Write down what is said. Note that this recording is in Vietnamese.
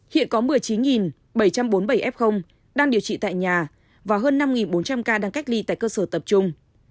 hiện có một mươi chín bảy trăm bốn mươi bảy f đang điều trị tại nhà và hơn năm bốn trăm linh ca đang cách ly tại cơ sở tập trung